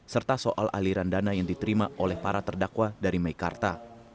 serta soal aliran dana yang diterima oleh para terdakwa dari meikarta